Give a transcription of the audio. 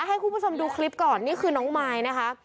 ให้คุณผู้ชมดูคลิปก่อนนี่คือน้องมายนะคะ